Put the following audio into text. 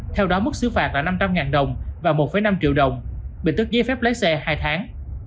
theo đó mức xứ phạt là năm trăm linh đồng và một năm triệu đồng bị tức giấy phép lái xe hai tháng